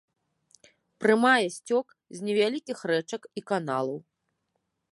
Прымае сцёк з невялікіх рэчак і каналаў.